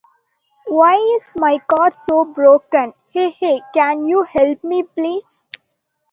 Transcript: Why is my car so broken? Hey, hey! Can you help me please?